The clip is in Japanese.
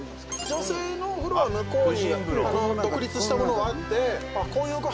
女性のお風呂は向こうに独立したものがあって。